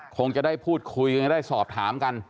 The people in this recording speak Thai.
คงจะได้พูดคุยกันจะได้สอบถามกัน